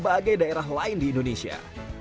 berbagai daerah lain di indonesia